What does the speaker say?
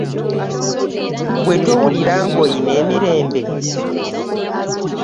Gwe towulira ng'oyina emirembe?